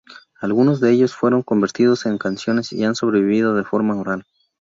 Algunos de ellos fueron convertidos en canciones y han sobrevivido de forma oral.